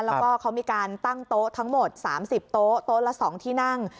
แล้วก็เขามีการตั้งโต๊ะทั้งหมด๓๐โต๊ะโต๊ะละ๒ที่นั่ง